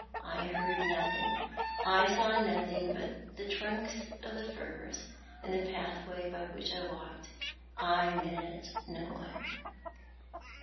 I heard nothing. I saw nothing but the trunks of the firs, and the iDatliway by which I walked. I met no one."